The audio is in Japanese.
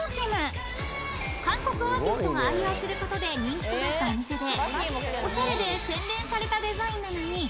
［韓国アーティストが愛用することで人気となったお店で］